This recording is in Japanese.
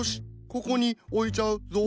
ここに置いちゃうぞ。